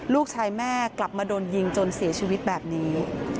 ลูกชายแม่กลับมาโดนยิงจนเสียชีวิตแบบนี้